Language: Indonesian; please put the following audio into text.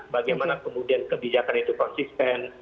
bagaimana kemudian kebijakan itu konsisten